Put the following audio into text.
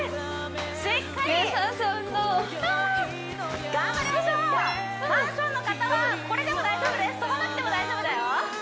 しっかり頑張りましょう有酸素運動マンションの方はこれでも大丈夫です跳ばなくても大丈夫だよ